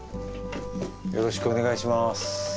よろしくお願いします。